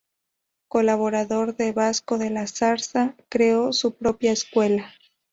Colaborador de Vasco de la Zarza, creó su propia escuela.